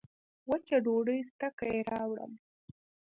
وچه ډوډۍ سته که راوړم